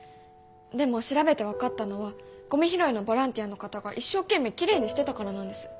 でも調べて分かったのはゴミ拾いのボランティアの方が一生懸命きれいにしてたからなんです。